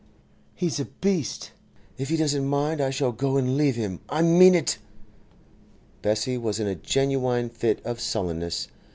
'He's a beast! If he doesn't mind I shall go and leave him. I mean it!' Bessie was in a genuine fit of sullenness.